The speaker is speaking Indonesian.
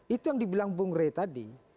itu yang dibilang bung rey tadi